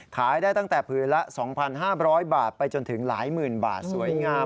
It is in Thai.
ขายได้ตั้งแต่ผืนละ๒๕๐๐บาทไปจนถึงหลายหมื่นบาทสวยงาม